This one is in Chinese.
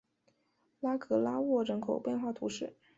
拉格拉沃人口变化图示